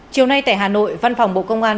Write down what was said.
chiều nay tại hà nội văn phòng bộ công an